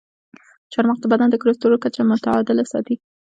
چارمغز د بدن د کلسترول کچه متعادله ساتي.